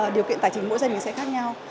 điều kiện tài chính mỗi gia đình sẽ khác nhau